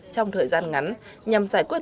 trong thời gian ngắn nhằm giải quyết